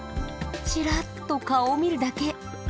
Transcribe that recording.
チラッと顔を見るだけ。